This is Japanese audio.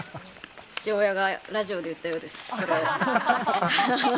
父親がラジオで言ったようです。